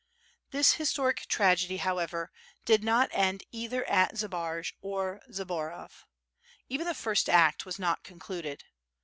This historic tragedy, however, did not end either at Zbaraj or at Zborov. Even the first act was not concluded.